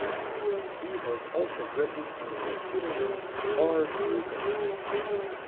He has also written under the pseudonym R. Rupen.